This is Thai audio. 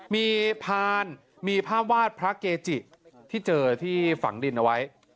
มีพานมีภาพวาดพระเกจิที่เจอที่ฝังดินเอาไว้